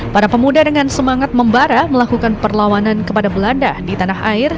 para pemuda dengan semangat membara melakukan perlawanan kepada belanda di tanah air